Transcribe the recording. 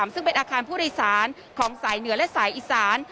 ซึ่งเป็นอาคารผู้โดยสารของสายเหนือและสายอีสาน